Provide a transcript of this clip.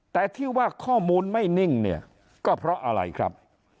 แต่ที่ว่าข้อมูลไม่นิ่งเนี่ยก็เพราะอะไรครับ